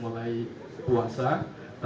pemeriksaan harus dimulai